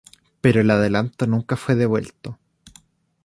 Pero el adelanto nunca fue devuelto.